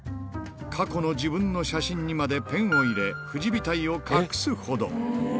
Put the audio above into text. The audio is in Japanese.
過去の自分の写真にまでペンを入れ、富士額を隠すほど。